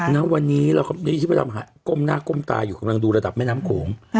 ณวันนี้เราก็มีที่พระดำก้มหน้าก้มตาอยู่กำลังดูระดับแม่น้ำโขง